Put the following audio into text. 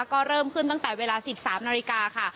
ก็เริ่มขึ้นตั้งแต่เวลา๑๓นาฬิกาค่ะ